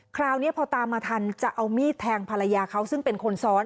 คราวนี้พอตามมาทันจะเอามีดแทงภรรยาเขาซึ่งเป็นคนซ้อน